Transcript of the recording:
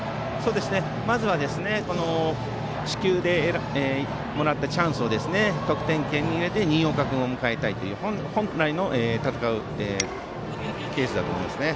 まずは四球でもらったチャンスを得点圏に入れて新岡君を迎えたい本来のケースだと思いますね。